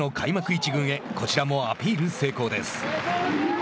１軍へこちらもアピール成功です。